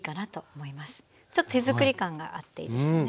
ちょっと手作り感があっていいですよね。